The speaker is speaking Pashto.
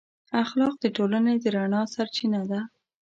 اخلاق د ټولنې د رڼا سرچینه ده.